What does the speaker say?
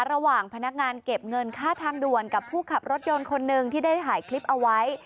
พนักงานเก็บเงินค่าทางด่วนกับผู้ขับรถยนต์คนหนึ่งที่ได้ถ่ายคลิปเอาไว้